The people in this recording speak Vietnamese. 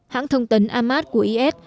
hãng thông tấn ahmad của is